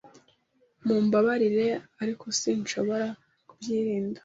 Mumbabarire, ariko sinshobora kubyirinda.